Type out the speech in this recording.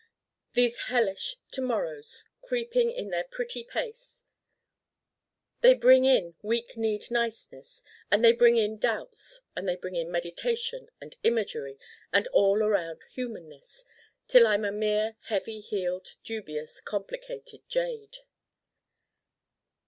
these hellish To morrows creeping in their petty pace: they bring in weak kneed niceness, and they bring in doubts, and they bring in meditation and imagery and all around humanness, till I'm a mere heavy heeled dubious complicated jade.